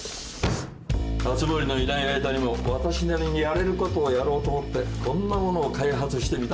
熱護のいない間にも私なりにやれることをやろうと思ってこんなものを開発してみたんだ。